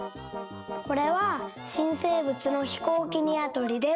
これはしんせいぶつの「ひこうきにわとり」です。